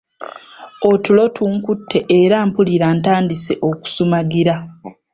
Otulo tunkutte era mpulira ntandise okusumagira.